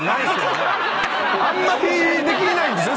あんまりできないんですね